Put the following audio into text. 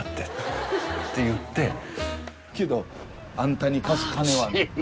けどあんたに貸す金はない。